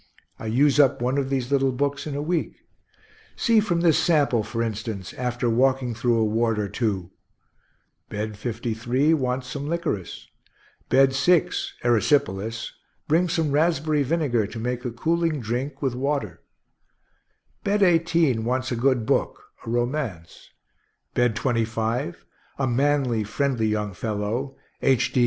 I use up one of these little books in a week. See from this sample, for instance, after walking through a ward or two: Bed 53 wants some liquorice; Bed 6 erysipelas bring some raspberry vinegar to make a cooling drink, with water; Bed 18 wants a good book a romance; Bed 25 a manly, friendly young fellow, H.